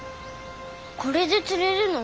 これで釣れるの？